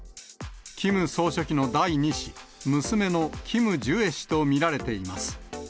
キム総書記の第２子、娘のキム・ジュエ氏と見られています。